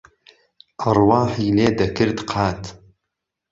ئەڕواحی لێ دهکر دقات